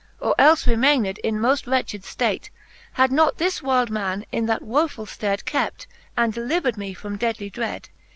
Or elfe remained in moft wretched ftate, Had not this wylde man in that wofuU ftead Kept, and delivered me from deadly dread.